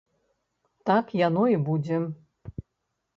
Так яно і будзе!